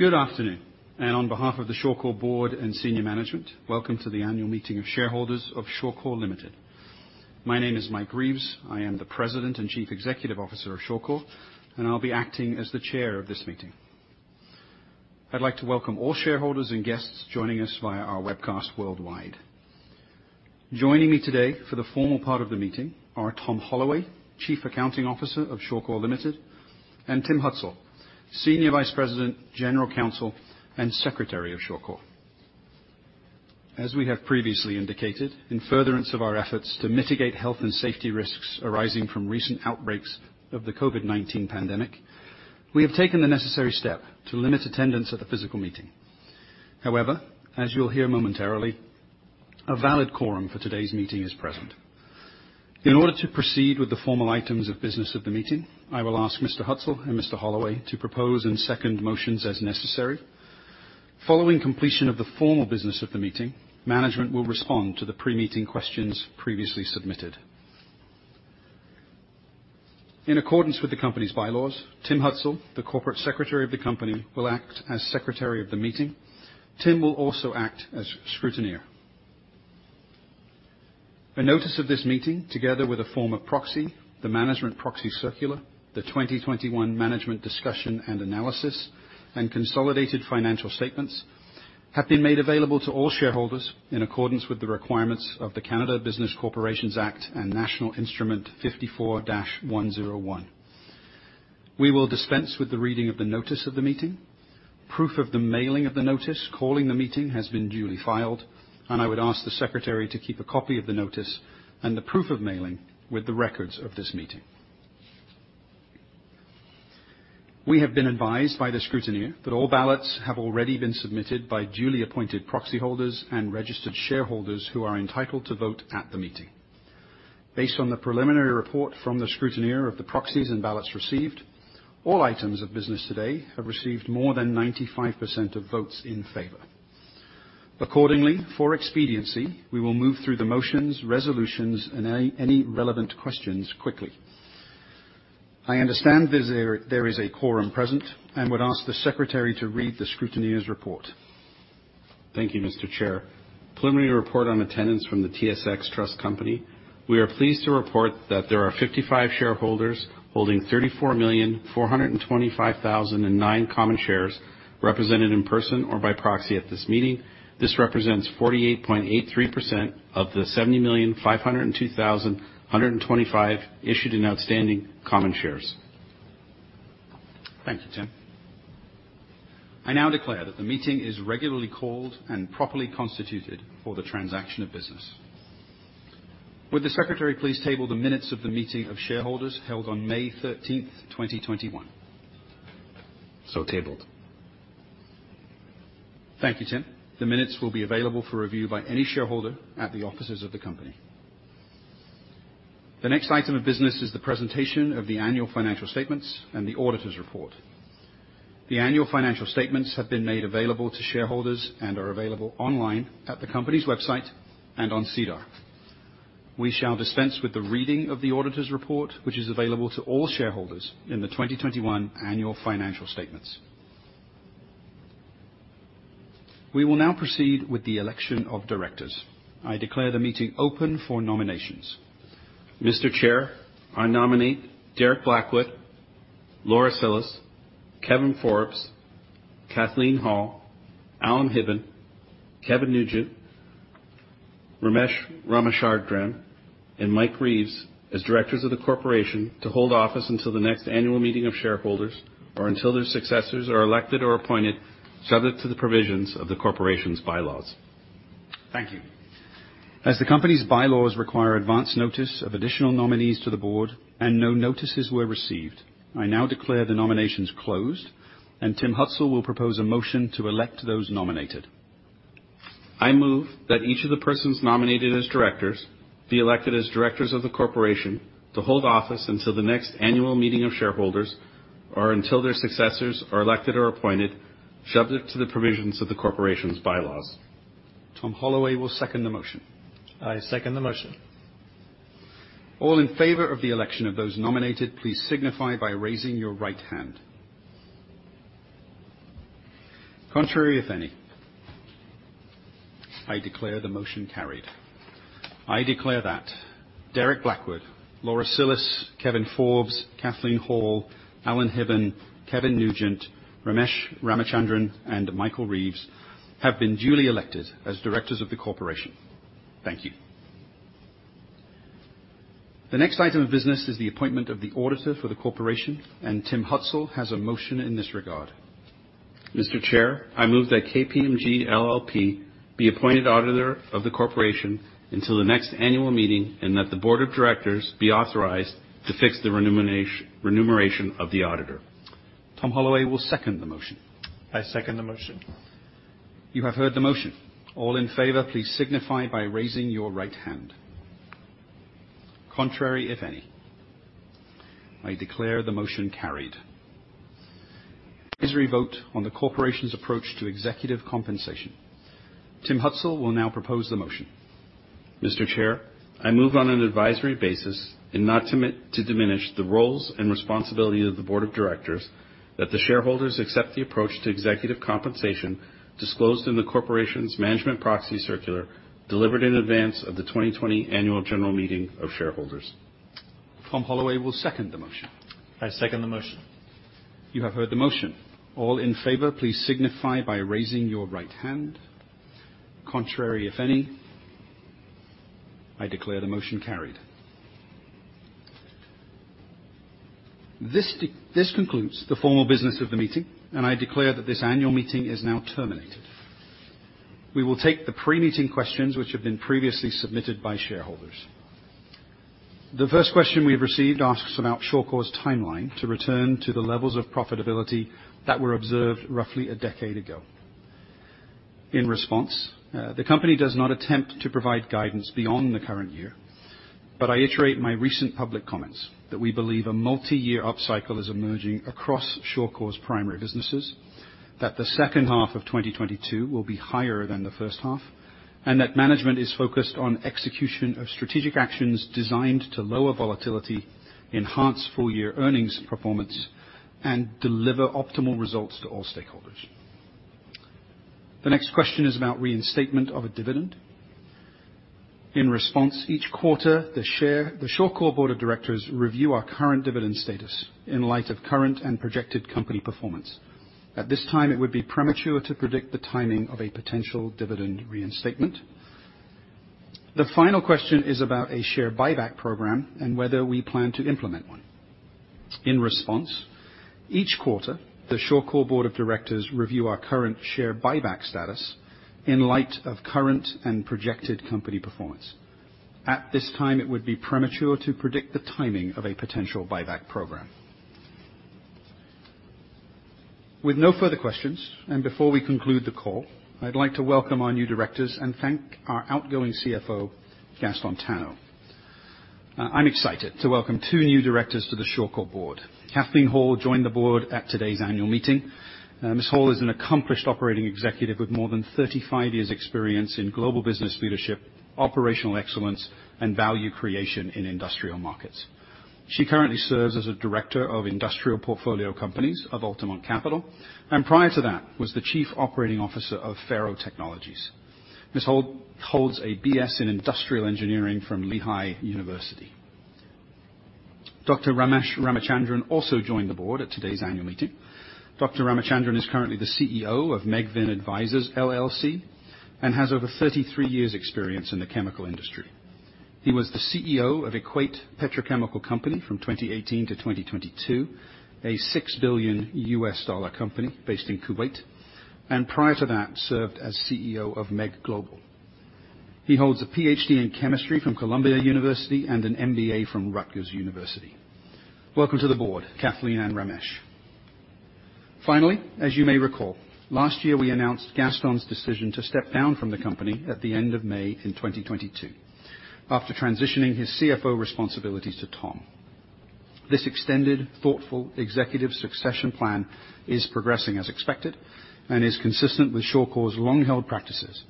Good afternoon. On behalf of the Mattr Board and senior management, welcome to the annual meeting of shareholders of Mattr Corp. My name is Mike Reeves. I am the President and Chief Executive Officer of Mattr, and I'll be acting as the chair of this meeting. I'd like to welcome all shareholders and guests joining us via our webcast worldwide. Joining me today for the formal part of the meeting are Tom Holloway, Chief Accounting Officer of Mattr Corp., and Tim Hutzul, Senior Vice President, General Counsel, and Secretary of Mattr. As we have previously indicated, in furtherance of our efforts to mitigate health and safety risks arising from recent outbreaks of the COVID-19 pandemic, we have taken the necessary step to limit attendance at the physical meeting. However, as you'll hear momentarily, a valid quorum for today's meeting is present. In order to proceed with the formal items of business of the meeting, I will ask Mr. Hutzul and Mr. Holloway to propose and second motions as necessary. Following completion of the formal business of the meeting, management will respond to the pre-meeting questions previously submitted. In accordance with the company's bylaws, Tim Hutzul, the Corporate Secretary of the company, will act as secretary of the meeting. Tim will also act as scrutineer. A notice of this meeting, together with a form of proxy, the management proxy circular, the 2021 management discussion and analysis, and consolidated financial statements, have been made available to all shareholders in accordance with the requirements of the Canada Business Corporations Act and National Instrument 54-101. We will dispense with the reading of the notice of the meeting. Proof of the mailing of the notice calling the meeting has been duly filed, and I would ask the secretary to keep a copy of the notice and the proof of mailing with the records of this meeting. We have been advised by the scrutineer that all ballots have already been submitted by duly appointed proxy holders and registered shareholders who are entitled to vote at the meeting. Based on the preliminary report from the scrutineer of the proxies and ballots received, all items of business today have received more than 95% of votes in favor. Accordingly, for expediency, we will move through the motions, resolutions, and any relevant questions quickly. I understand there is a quorum present and would ask the secretary to read the scrutineer's report. Thank you, Mr. Chair. Preliminary report on attendance from the TSX Trust Company. We are pleased to report that there are 55 shareholders holding 34,425,009 common shares represented in person or by proxy at this meeting. This represents 48.83% of the 70,502,125 issued and outstanding common shares. Thank you, Tim. I now declare that the meeting is regularly called and properly constituted for the transaction of business. Would the secretary please table the minutes of the meeting of shareholders held on May 13, 2021. tabled. Thank you, Tim. The minutes will be available for review by any shareholder at the offices of the company. The next item of business is the presentation of the annual financial statements and the auditor's report. The annual financial statements have been made available to shareholders and are available online at the company's website and on SEDAR. We shall dispense with the reading of the auditor's report, which is available to all shareholders in the 2021 annual financial statements. We will now proceed with the election of directors. I declare the meeting open for nominations. Mr. Chair, I nominate Derek Blackwood, Laura Cillis, Kevin Forbes, Kathleen Hall, Alan Hibben, Kevin Nugent, Ramesh Ramachandran, and Mike Reeves as directors of the corporation to hold office until the next annual meeting of shareholders or until their successors are elected or appointed, subject to the provisions of the corporation's bylaws. Thank you. As the company's bylaws require advance notice of additional nominees to the board, and no notices were received, I now declare the nominations closed, and Tim Hutzul will propose a motion to elect those nominated. I move that each of the persons nominated as directors be elected as directors of the corporation to hold office until the next annual meeting of shareholders or until their successors are elected or appointed, subject to the provisions of the corporation's bylaws. Tom Holloway will second the motion. I second the motion. All in favor of the election of those nominated, please signify by raising your right hand. Contrary, if any. I declare the motion carried. I declare that Derek Blackwood, Laura Cillis, Kevin Forbes, Kathleen Hall, Alan Hibben, Kevin Nugent, Ramesh Ramachandran, and Michael Reeves have been duly elected as directors of the corporation. Thank you. The next item of business is the appointment of the auditor for the corporation, and Tim Hutzul has a motion in this regard. Mr. Chair, I move that KPMG LLP be appointed auditor of the corporation until the next annual meeting and that the board of directors be authorized to fix the remuneration of the auditor. Tom Holloway will second the motion. I second the motion. You have heard the motion. All in favor, please signify by raising your right hand. Contrary, if any. I declare the motion carried. Please revote on the corporation's approach to executive compensation. Tim Hutzul will now propose the motion. Mr. Chair, I move on an advisory basis and not to diminish the roles and responsibility of the board of directors that the shareholders accept the approach to executive compensation disclosed in the corporation's management proxy circular, delivered in advance of the 2020 annual general meeting of shareholders. Tom Holloway will second the motion. I second the motion. You have heard the motion. All in favor, please signify by raising your right hand. Contrary, if any. I declare the motion carried. This concludes the formal business of the meeting, and I declare that this annual meeting is now terminated. We will take the pre-meeting questions which have been previously submitted by shareholders. The first question we've received asks about Mattr's timeline to return to the levels of profitability that were observed roughly a decade ago. In response, the company does not attempt to provide guidance beyond the current year, but I reiterate my recent public comments that we believe a multi-year upcycle is emerging across Mattr's primary businesses, that the second half of 2022 will be higher than the first half, and that management is focused on execution of strategic actions designed to lower volatility, enhance full-year earnings performance, and deliver optimal results to all stakeholders. The next question is about reinstatement of a dividend. In response, each quarter, the Mattr Board of Directors review our current dividend status in light of current and projected company performance. At this time, it would be premature to predict the timing of a potential dividend reinstatement. The final question is about a share buyback program and whether we plan to implement one. In response, each quarter, the Mattr Board of Directors review our current share buyback status in light of current and projected company performance. At this time, it would be premature to predict the timing of a potential buyback program. With no further questions, and before we conclude the call, I'd like to welcome our new directors and thank our outgoing CFO, Gaston Tano. I'm excited to welcome two new directors to the Mattr board. Kathleen Hall joined the board at today's annual meeting. Ms. Hall is an accomplished operating executive with more than 35 years' experience in global business leadership, operational excellence, and value creation in industrial markets. She currently serves as a director of industrial portfolio companies of Altamont Capital Partners, and prior to that, was the chief operating officer of FARO Technologies. Ms. Hall holds a BS in Industrial Engineering from Lehigh University. Dr. Ramesh Ramachandran also joined the board at today's annual meeting. Dr. Ramachandran is currently the CEO of MEGVIN Advisors LLC, and has over 33 years' experience in the chemical industry. He was the CEO of Equate Petrochemical Company from 2018 to 2022, a $6 billion company based in Kuwait, and prior to that, served as CEO of MEGlobal. He holds a PhD in Chemistry from Columbia University and an MBA from Rutgers University. Welcome to the board, Kathleen and Ramesh. Finally, as you may recall, last year, we announced Gaston's decision to step down from the company at the end of May 2022 after transitioning his CFO responsibilities to Tom. This extended, thoughtful executive succession plan is progressing as expected and is consistent with Mattr's long-held practices,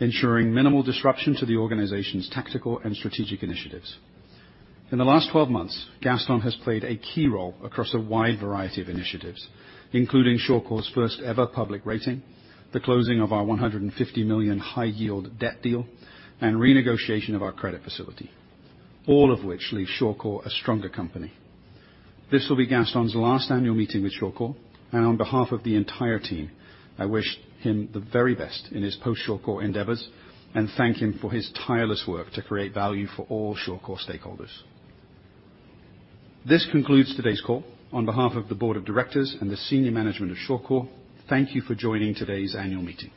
ensuring minimal disruption to the organization's tactical and strategic initiatives. In the last twelve months, Gaston has played a key role across a wide variety of initiatives, including Mattr's first-ever public rating, the closing of our 150 million high-yield debt deal, and renegotiation of our credit facility, all of which leave Mattr a stronger company. This will be Gaston's last annual meeting with Mattr, and on behalf of the entire team, I wish him the very best in his post-Mattr endeavors and thank him for his tireless work to create value for all Mattr stakeholders. This concludes today's call. On behalf of the board of directors and the senior management of Mattr, thank you for joining today's annual meeting.